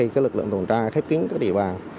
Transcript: lực lượng tuần tra khép kín các địa bàn